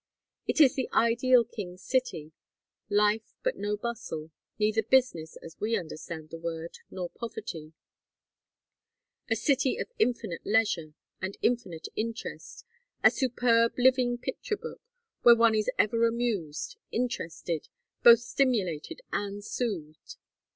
It is the ideal king's city: life but no bustle; neither business, as we understand the word, nor poverty; a city of infinite leisure and infinite interest, a superb living picture book, where one is ever amused, interested, both stimulated and soothed.